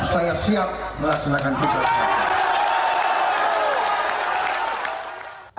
saya siap melaksanakan tiga perintah